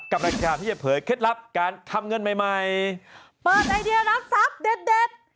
รายการที่จะเผยเคล็ดลับการทำเงินใหม่ใหม่เปิดไอเดียรับทรัพย์เด็ด